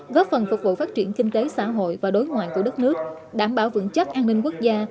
góp phần phục vụ phát triển kinh tế xã hội và đối ngoại của đất nước đảm bảo vững chắc an ninh quốc gia